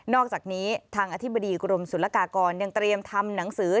อกจากนี้ทางอธิบดีกรมศุลกากรยังเตรียมทำหนังสือ